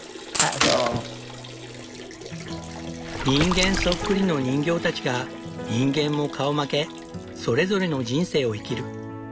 人間そっくりの人形たちが人間も顔負けそれぞれの人生を生きる。